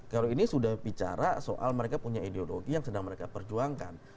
kalau ini sudah bicara soal mereka punya ideologi yang sedang mereka perjuangkan